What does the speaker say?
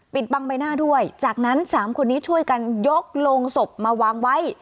บังใบหน้าด้วยจากนั้นสามคนนี้ช่วยกันยกโรงศพมาวางไว้